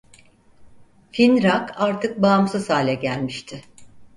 Fin rock artık bağımsız hale gelmişti.